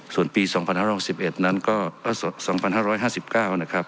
ส่วนปี๒๕๖๑นั้นก็๒๕๕๙นะครับ